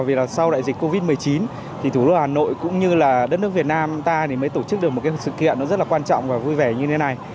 vì sau đại dịch covid một mươi chín thủ đô hà nội cũng như đất nước việt nam ta mới tổ chức được một sự kiện rất là quan trọng và vui vẻ như thế này